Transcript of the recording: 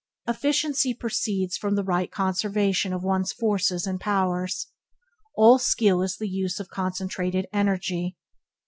Efficiency proceeds from the right conservation of one's forces and powers. All skill is the use of concentrated energy.